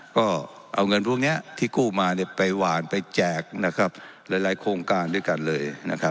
ก็เอาเงินพวกนี้ที่กู้มาไปหวานไปแจกหลายโครงการด้วยกันเลย